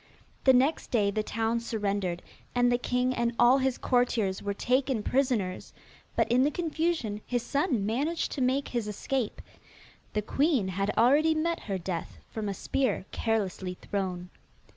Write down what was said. The next day the town surrendered, and the king and all his courtiers were taken prisoners, but in the confusion his son managed to make his escape. The queen had already met her death from a spear carelessly thrown.